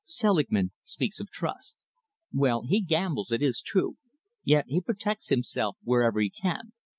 Selingman speaks of trust. Well, he gambles, it is true, yet he protects himself whenever he can.